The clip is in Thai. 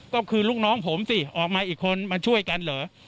ก็คือลูกน้องผมสิออกมาอีกคนมาช่วยกันเหรอ